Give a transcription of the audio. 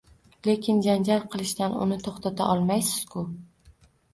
Lekin janjal qilishdan uni to`xtata olmaysiz-ku